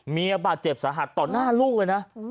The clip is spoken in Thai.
เมียบาดเจ็บสาหัสต่อหน้าลูกเลยนะ